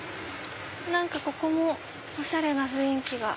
何かここもおしゃれな雰囲気が。